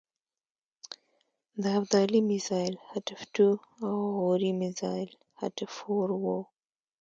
د ابدالي میزایل حتف ټو او غوري مزایل حتف فور و.